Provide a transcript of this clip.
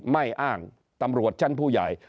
ไม่อ้างตำรวจชั้นผู้ใหญ่